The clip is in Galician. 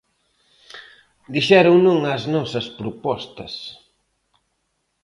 Dixeron non ás nosas propostas.